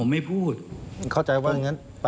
ไม่คิดว่า